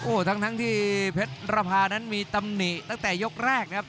โอ้โหทั้งที่เพชรระพานั้นมีตำหนิตั้งแต่ยกแรกนะครับ